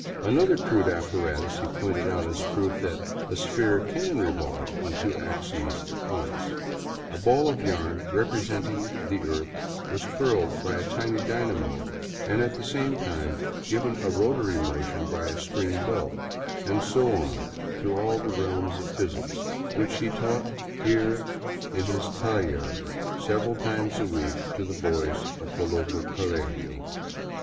Another crude apparatus he pointed out as a proof that " a sphere can revolve on two axes at once," — a ball of yarn representing the earth was twirled by a tiny dynamo, and at the same time given a rotary mo tion by a string belt — and so on through all the realms of physics, which he taught here in his taller several times a week to the boys of the local colegio.